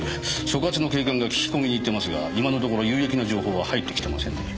所轄の警官が聞き込みに行ってますが今のところ有益な情報は入ってきてませんね。